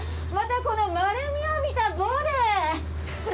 またこの丸みを帯びたボデー。